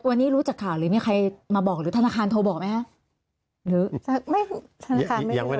วันนี้รู้จักข่าวหรือไม่มีใครมาบอกหรือธนาคารโทรบอกไหมคะ